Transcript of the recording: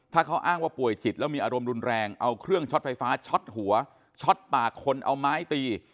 ถ้าเขาอ้างว่าป่วยจิตแล้วมีอารมณ์รุนแรงเอาเครื่องช็อตไฟฟ้าช็อตหัวช็อตปากคนเอาไม้ตี